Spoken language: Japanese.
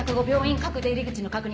各出入り口の確認